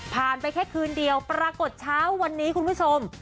ไปแค่คืนเดียวปรากฏเช้าวันนี้คุณผู้ชม